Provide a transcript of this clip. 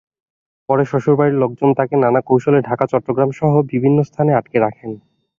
পরে শ্বশুরবাড়ির লোকজন তাঁকে নানা কৌশলে ঢাকা, চট্টগ্রামসহ বিভিন্ন স্থানে আটকে রাখেন।